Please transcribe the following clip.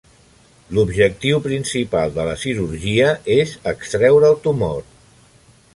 L'objectiu principal de la cirurgia és extreure el tumor.